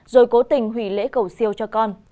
rồi cố tình hủy lễ cầu siêu cho con